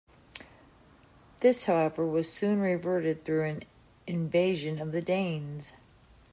This however was soon reverted through an invasion of the Danes.